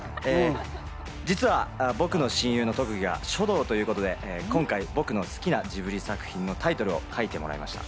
実はの親友の得意が書道ということで今回、僕の好きなジブリ作品のタイトルを書いてもらいました。